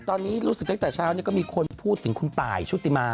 ตอนนี้รู้สึกตั้งแต่เช้าก็มีคนพูดถึงคุณตายชุติมา